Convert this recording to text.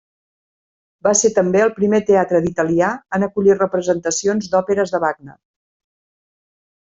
Va ser també el primer teatre d'italià en acollir representacions d'òperes de Wagner.